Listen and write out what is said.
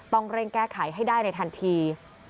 ต้องเร่งแก้ไขให้ได้ในทันที